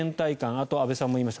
あと、安部さんも言いました